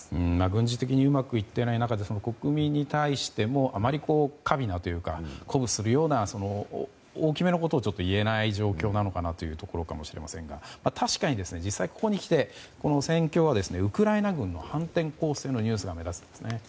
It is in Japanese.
軍事的にうまくいっていない中で国民に対してもあまり華美なというか鼓舞するような大きめのことを言えない状況なのかもしれませんが確かに、実際にここにきて戦況はウクライナ軍の反転攻勢のニュースが目立つんですね。